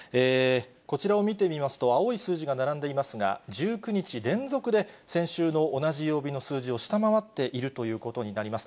こちらを見てみますと、青い数字が並んでいますが、１９日連続で、先週の同じ曜日の数字を下回っているということになります。